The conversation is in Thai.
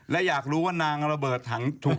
และอยากรู้ว่านางระเบิดถังถูก